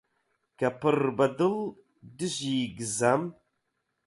کە پڕبەدڵ دژی گزەم؟!